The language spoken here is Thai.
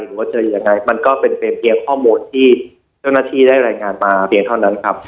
หรือว่าเจอยังไงมันก็เป็นเพียงข้อมูลที่เจ้าหน้าที่ได้รายงานมาเพียงเท่านั้นครับ